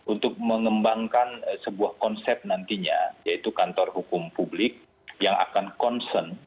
untuk mengembangkan sebuah konsep nantinya yaitu kantor hukum publik yang akan concern